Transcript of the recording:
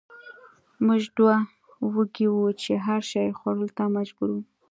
موږ دومره وږي وو چې هر شي خوړلو ته مجبور وو